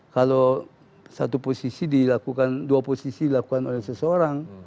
kalau satu posisi dilakukan dua posisi dilakukan oleh seseorang